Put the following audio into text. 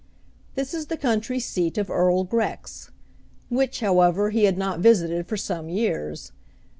This is the country seat of Earl Grex, which however he had not visited for some years.